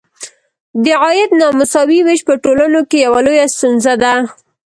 د عاید نامساوي ویش په ټولنو کې یوه لویه ستونزه ده.